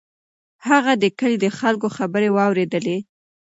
هغه د کلي د خلکو خبرې واورېدلې.